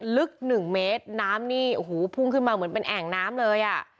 ลึกหนึ่งเมตรน้ำนี่โอ้โหพุ่งขึ้นมาเหมือนเป็นแอ่งน้ำเลยอ่ะ